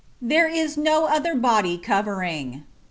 There is no other body covering.